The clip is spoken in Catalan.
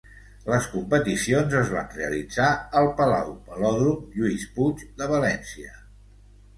Les competicions es van realitzar al Palau Velòdrom Lluís Puig de València.